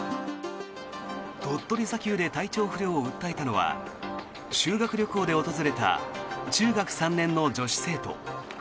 鳥取砂丘で体調不良を訴えたのは修学旅行で訪れた中学３年の女子生徒。